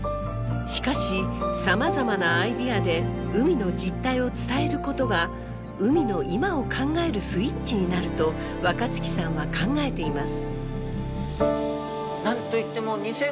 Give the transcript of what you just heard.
しかしさまざまなアイデアで海の実態を伝えることが海の今を考えるスイッチになると若月さんは考えています。